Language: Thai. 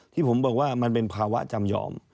ที่ผมบอกว่ามันเป็นภาวะจำยอม